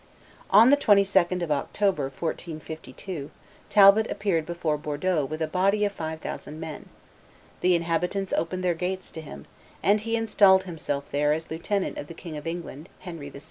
On the 22d of October, 1452, Talbot appeared before Bordeaux with a body of five thousand men; the inhabitants opened their gates to him; and he installed himself there as lieutenant of the King of England, Henry VI.